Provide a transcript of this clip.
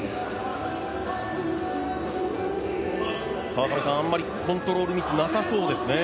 川上さん、あまりコントロールミスなさそうですね。